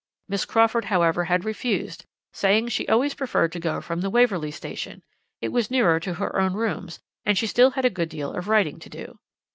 Miss Crawford however had refused, saying she always preferred to go from the Waverley Station. It was nearer to her own rooms, and she still had a good deal of writing to do.